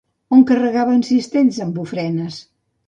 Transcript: On carregaven cistells amb ofrenes?